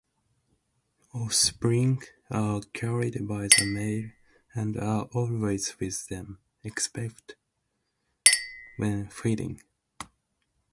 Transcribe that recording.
Offspring are carried by the male, and are always with them, except when feeding.